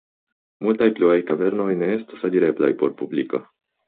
Multaj pluaj kavernoj ne estas alireblaj por publiko.